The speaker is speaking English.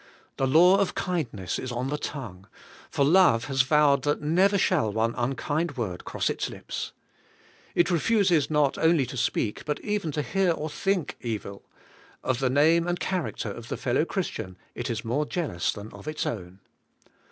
The law of kindness is on the tongue, for love has vowed that never shall one unkind word cross its lips. It refuses not only to speak, but even to hear or to think evil ; of the name and character of the fellow Christian it is more jealous than of its own.